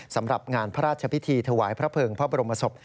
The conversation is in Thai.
สำหรับงานพระราชพิธีถวายพระเภิงพระบรมศพ